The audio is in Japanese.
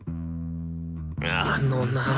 あのなぁ。